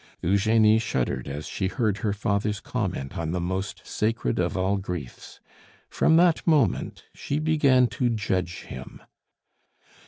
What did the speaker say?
Eugenie shuddered as she heard her father's comment on the most sacred of all griefs. From that moment she began to judge him.